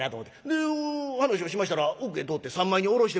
で話をしましたら奥へ通って三枚におろしてくれと」。